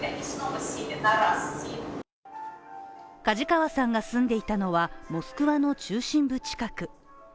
梶川さんが住んでいたのはモスクワの中心部近く。